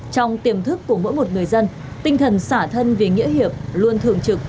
trong tiềm thức của mỗi một người dân tinh thần xả thân vì nghĩa hiệp luôn thường trực